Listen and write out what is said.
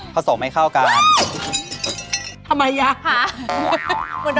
คำกัด